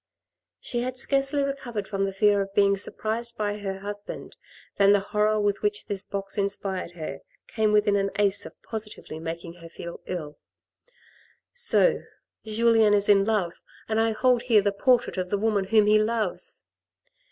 She had scarcely recovered from the fear of being surprised by her husband than the horror with which this box inspired her came within an ace of positively making her feel ill. AN EVENING IN THE COUNTRY 61 "So Julien is in love, and I hold here the portrait of the woman whom he loves